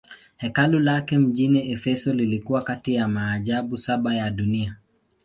Hekalu lake mjini Efeso lilikuwa kati ya maajabu saba ya dunia.